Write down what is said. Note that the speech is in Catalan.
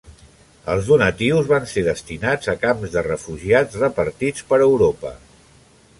Els donatius van ser destinats a camps de refugiats repartits per Europa.